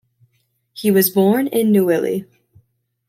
He was born at Neuilly.